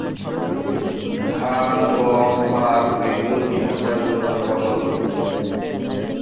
ধান, গম, পাট, বেগুন এখানকার প্রধান ফসল।